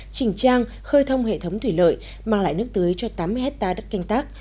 chỉnh trang khơi thông hệ thống thủy lợi mang lại nước tưới cho tám mươi hectare đất canh tác